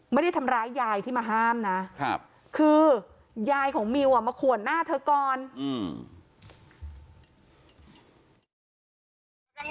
ไม่ได้ทำร้ายยายที่มาห้ามนะครับคือยายของมิวอ่ะมาขวนหน้าเธอก่อนอืม